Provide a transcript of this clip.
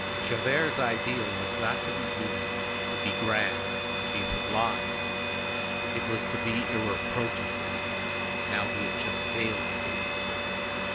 Javert's ideal, was not to be human, to be grand, to be sublime; it was to be irreproachable. Now, he had just failed in this.